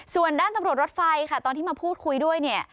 ส่วนด้านตำรวจรถไฟค่ะตอนที่มาพูดคุยด้วยเนี่ย